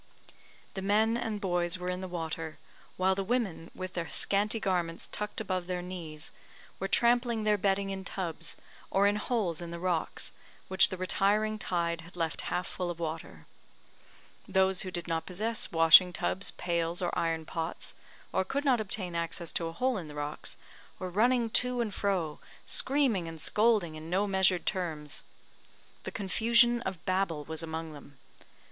The men and boys were in the water, while the women, with their scanty garments tucked above their knees, were trampling their bedding in tubs, or in holes in the rocks, which the retiring tide had left half full of water. Those who did not possess washing tubs, pails, or iron pots, or could not obtain access to a hole in the rocks, were running to and fro, screaming and scolding in no measured terms. The confusion of Babel was among them.